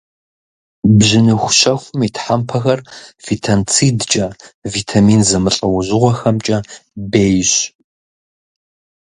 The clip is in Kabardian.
Бжьыныхущэхум и тхьэмпэхэр фитонцидкӏэ, витамин зэмылӏэужьыгъуэхэмкӏэ бейщ.